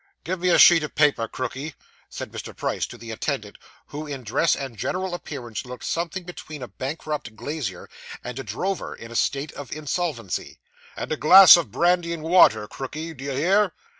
'Give me a sheet of paper, Crookey,' said Mr. Price to the attendant, who in dress and general appearance looked something between a bankrupt glazier, and a drover in a state of insolvency; 'and a glass of brandy and water, Crookey, d'ye hear?